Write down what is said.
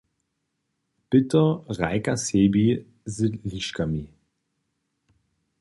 Pětr hrajka sebi z liškami.